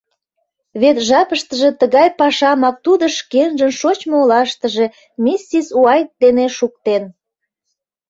Вет жапыштыже тыгай пашамак тудо шкенжын шочмо олаштыже миссис Уайт дене шуктен.